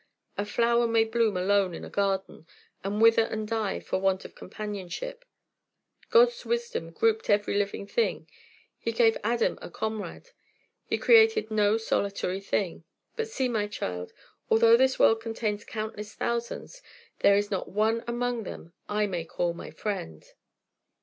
A flower may bloom alone in a garden, and wither and die for want of companionship. God's wisdom grouped every living thing. He gave Adam a comrade. He created no solitary thing. But see, my child: although this world contains countless thousands, there is not one among them I may call my friend."